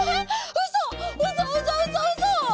うそうそうそうそ！？